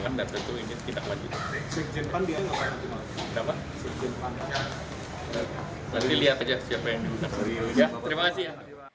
nanti lihat aja siapa yang dibuka